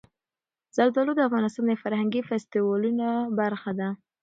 زردالو د افغانستان د فرهنګي فستیوالونو برخه ده.